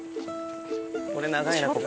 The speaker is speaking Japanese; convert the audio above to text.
これ長いなここ。